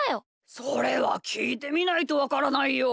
それはきいてみないとわからないよ。